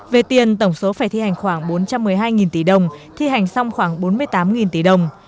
về tiền tổng số phải thi hành khoảng bốn trăm một mươi hai tỷ đồng thi hành xong khoảng bốn mươi tám tỷ đồng